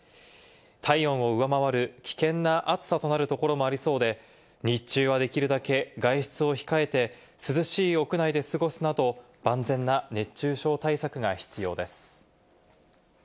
体温を上回る危険な暑さとなるところもありそうで、日中はできるだけ外出を控えて涼しい屋内で過ごすなど、万全な熱中症対策が必要です。